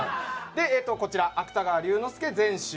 こちら『芥川龍之介全集』。